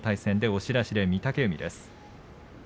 押し出しで御嶽海です。